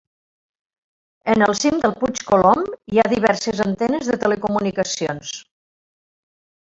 En el cim del Puig Colom hi ha diverses antenes de telecomunicacions.